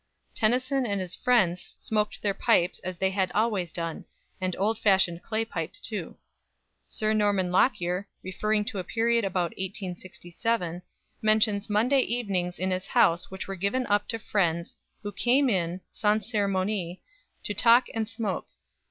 Tennyson and his friends smoked their pipes as they had always done and old fashioned clay pipes too. Sir Norman Lockyer, referring to a period about 1867, mentions Monday evenings in his house which were given up to friends "who came in, sans cérémonie, to talk and smoke.